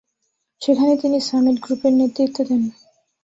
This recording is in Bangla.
সেখানে তিনি সামিট গ্রুপের নেতৃত্ব দেন।